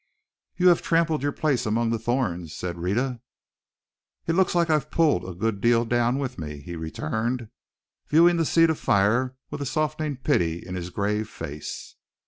"You have trampled your place among the thorns," said Rhetta. "It looks like I've pulled a good deal down with me," he returned, viewing the seat of fire with a softening of pity in his grave face.